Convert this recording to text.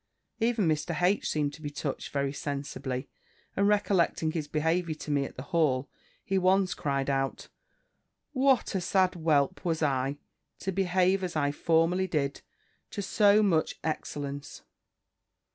Even Mr. H. seemed to be touched very sensibly; and recollecting his behaviour to me at the Hall, he once cried out, "What a sad whelp was I, to behave as I formerly did, to so much excellence!